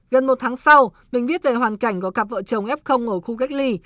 gần một tháng sau mình viết về hoàn cảnh của cặp vợ chồng f ở khu cách ly